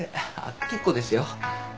あっ結構ですよ。